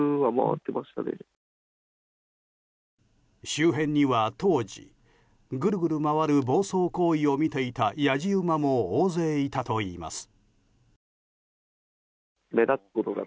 周辺には当時ぐるぐる回る暴走行為を見ていたやじ馬も大勢いたといいます。